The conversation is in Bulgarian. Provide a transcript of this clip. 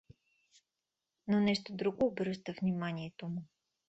Но нещо друго обръща вниманието му.